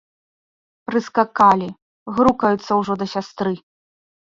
Прыскакалі, грукаюцца ўжо да сястры.